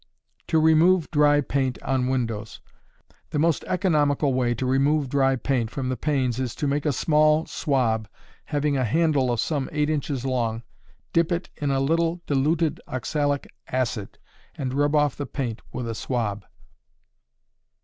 To Remove Dry Paint on Windows. The most economical way to remove dry paint from the panes is to make a small swab having a handle some eight inches long, dip it in a little diluted oxalic acid, and rub off the paint with a swab.